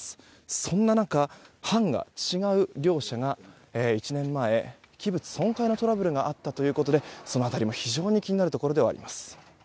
そんな中班が違う両者が１年前器物損壊のトラブルがあったということでその辺りも非常に気になるところではあります。